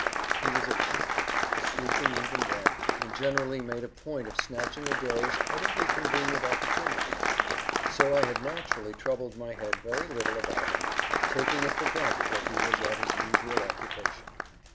He was a capital one for sleeping even then, and generally made a point of snatching a doze at every convenient opportunity; so I had naturally troubled my head very little about him, taking it for granted that he was at his usual occupation.